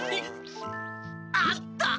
あった！